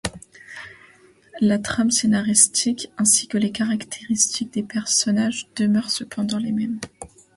La trame scénaristique ainsi que les caractéristiques des personnages demeurent cependant les mêmes.